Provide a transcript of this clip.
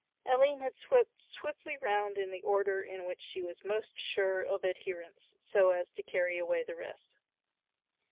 Aline had swept swiftly round in the order in which she was most sure of adherents, so as to carry away the rest.